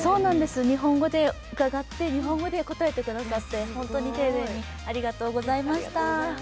日本語で伺って日本語で答えてくださって本当に丁寧にありがとうございました。